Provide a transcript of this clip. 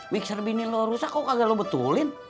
mixer bini lu rusak kok kagak lu betulin